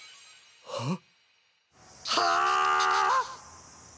はっ？